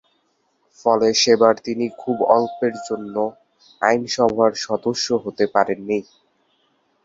ফলে সেবার তিনি খুব অল্পের জন্য আইনসভার সদস্য হতে পারেননি।